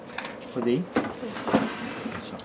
これでいい？